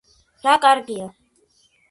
რა კარგია